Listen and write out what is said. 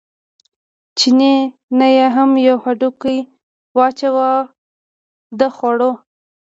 چیني ته یې هم یو هډوکی واچاوه د خوړو.